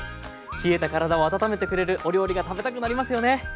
冷えたからだを温めてくれるお料理が食べたくなりますよね。